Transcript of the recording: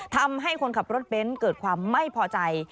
ทำให้คนขับรถเบ้นเกิดความไม่พอใจ